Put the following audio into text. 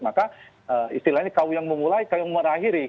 maka istilahnya kau yang memulai kau yang mengakhiri